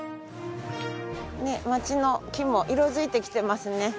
ねえ街の木も色づいてきてますね。